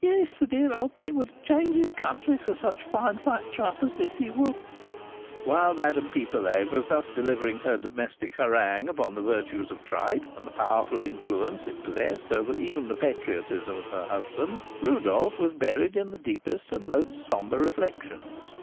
Yes, the dear old pet would change his country for such fine fat tripe as this, he would." While Madame Pipelet was thus delivering her domestic harangue upon the virtues of tripe and the powerful influence it possessed over even the patriotism of her husband, Rodolph was buried in the deepest and most sombre reflections.